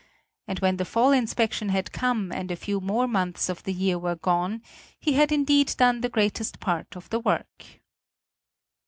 And when the fall inspection had come and a few more months of the year were gone, he had indeed done the greatest part of the work.